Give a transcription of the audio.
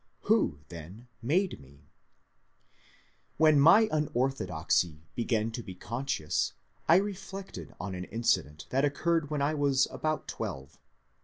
Who, then, made me ? When my unorthodoxy b^;an to be conscious I reflected on an incident that occurred when I was about twelve.